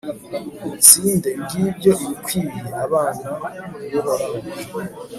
mutsinde, ngibyo ibikwiye abana b'uhoraho